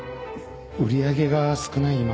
売り上げが少ない